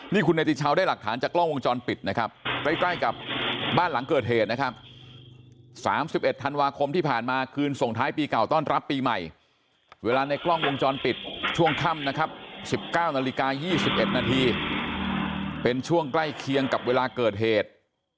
นี่คุณเนติชาวได้หลักฐานจากกล้องวงจรปิดนะครับใกล้กับบ้านหลังเกิดเหตุนะครับ๓๑ธันวาคมที่ผ่านมาคืนส่งท้ายปีเก่าต้อนรับปีใหม่เวลาในกล้องวงจรปิดช่วงค่ำนะครับ๑๙นาฬิกา๒๑นาทีเป็นช่วงใกล้เคียงกับเวลาเกิดเหตุ